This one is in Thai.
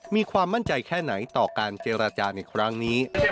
มีความมั่นใจแค่ไหนต่อการเจรจาในครั้งนี้